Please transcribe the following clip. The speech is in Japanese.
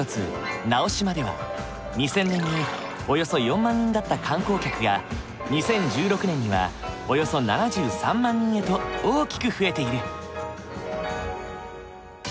直島では２０００年におよそ４万人だった観光客が２０１６年にはおよそ７３万人へと大きく増えている。